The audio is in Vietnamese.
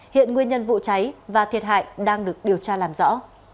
hiện nguyên nhân vụ cháy và thiệt hại đang được điều tra làm rõ